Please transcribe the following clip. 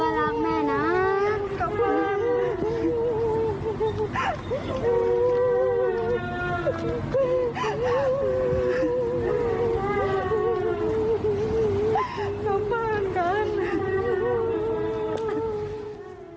ขอบคุณครับ